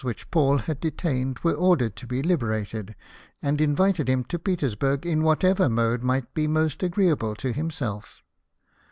250 which Paul had detained were ordered to be Hberated, and invited him to Petersburg in whatever mode might be most agreeable to himself.